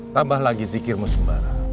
tambah lagi zikirmu sembara